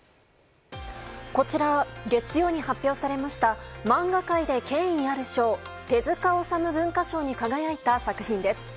こちらは月曜に発表された漫画界で権威ある賞手塚治虫文化賞に輝いた作品です。